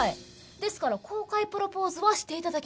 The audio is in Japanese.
ですから公開プロポーズはして頂きました。